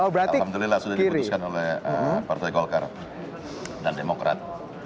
alhamdulillah sudah diputuskan oleh partai golkar dan demokrat